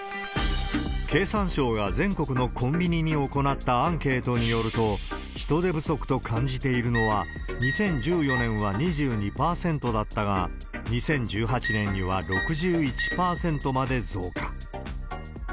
経産省が全国のコンビニに行ったアンケートによると、人手不足と感じているのは、２０１４年は２２％だったが、２０１８年には６１％まで増加。